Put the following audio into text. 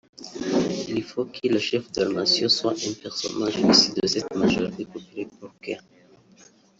Il faut que le Chef de la nation soit un personage issu de cette majorité populaire pour que